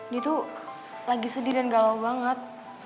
dia tuh lagi sedih dan galau banget